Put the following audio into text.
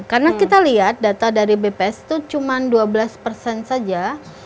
karena kita lihat data dari bps itu cuma dua belas saja